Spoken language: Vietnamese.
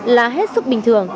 là hết sức bình thường